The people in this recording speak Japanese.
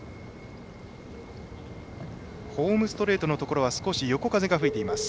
ホームストレートのところ少し横風が吹いています。